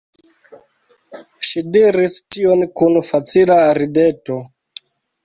Ŝi diris tion kun facila rideto.